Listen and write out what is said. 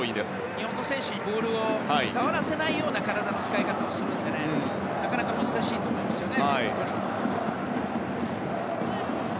日本の選手にボールを触らせない体の使い方をウルグアイはするのでなかなか難しいと思いますよね。